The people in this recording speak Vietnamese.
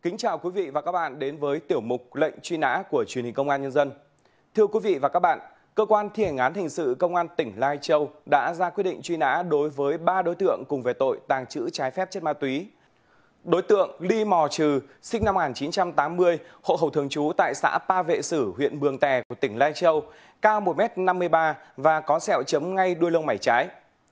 năm một nghìn chín trăm tám mươi hộ khẩu thường chú tại xã pa vệ sử huyện bường tè tỉnh lai châu cao một m năm mươi ba và có xẹo chấm ngay đuôi lông mảy trái